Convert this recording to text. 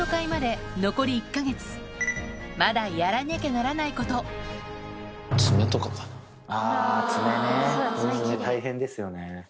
まだやらなきゃならないことあぁ爪ね大変ですよね。